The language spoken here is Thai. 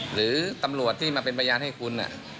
หรือตำรวจที่มาเป็นพยานให้คุณ